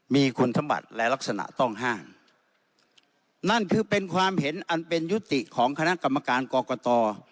มีคุณสมบัติและลักษณะต้องห้ามนั่นคือเป็นความเห็นอันเป็นยุติของคณะกรรมการกรกต